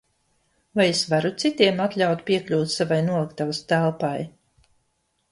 Vai es varu citiem atļaut piekļūt savai noliktavas telpai?